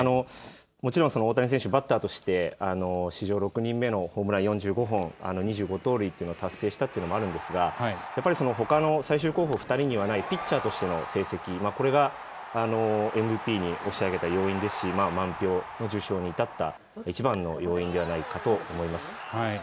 もちろん大谷選手、バッターとして史上６人目のホームラン４５本、２５盗塁というのを達成したというのもあるんですがほかの最終候補２人にはないピッチャーとしての成績、これがＭＶＰに押し上げた要因ですし満票の受賞に至ったいちばんの要因ではないかと思います。